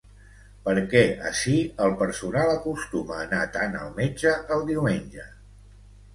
Per què ací el personal acostuma a anar tant al metge el diumenge?